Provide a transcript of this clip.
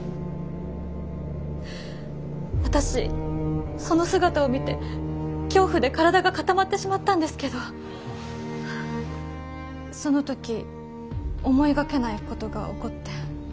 私その姿を見て恐怖で体が固まってしまったんですけどその時思いがけないことが起こって。